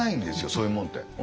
そういうもんって。